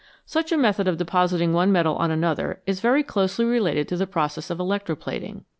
Such a method of depositing one metal on another is very closely related to the process of electro plating.